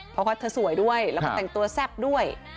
เพราะว่าเธอสวยด้วยแล้วก็แต่งตัวแซ่บด้วย